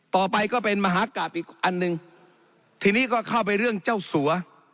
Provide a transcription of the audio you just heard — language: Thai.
ต่อไปก็เป็นมหากราบอีกอันหนึ่งทีนี้ก็เข้าไปเรื่องเจ้าสัว